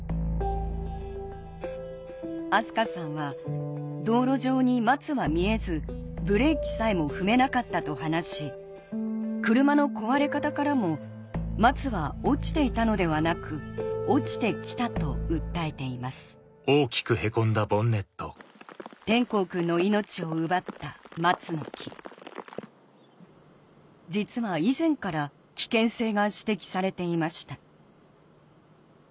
明日香さんは道路上に松は見えずブレーキさえも踏めなかったと話し車の壊れ方からも松は「落ちていた」のではなくと訴えています皇くんの命を奪った松の木実は以前から危険性が指摘されていました